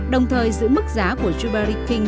đồng thời giữ mức giá của yubari king